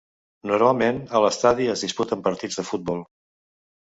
Normalment, a l'estadi es disputen partits de futbol.